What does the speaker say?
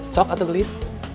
sok atuh gelis